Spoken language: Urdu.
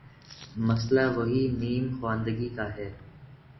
مسئلہ وہی نیم خواندگی کا ہے۔